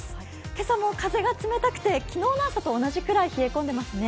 今朝も風が冷たくて昨日の朝と同じぐらい冷え込んでいますね。